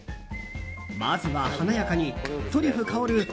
まずは華やかにトリュフ香る